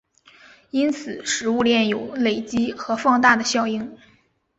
因此食物链有累积和放大的效应。